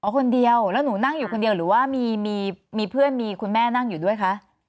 คนเดียวแล้วหนูนั่งอยู่คนเดียวหรือว่ามีเพื่อนมีคุณแม่นั่งอยู่ด้วยคะ